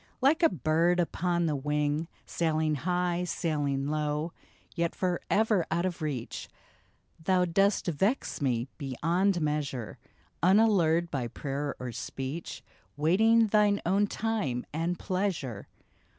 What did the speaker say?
Like a bird upon the wing, Sailing high, sailing low, Yet forever out of reach, Thou dost vex me beyond measure, Unallured by prayer or speech, Waiting thine own time and pleasure